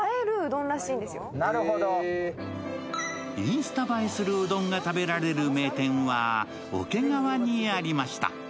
インスタ映えするうどんが食べられる名店は、桶川にありました。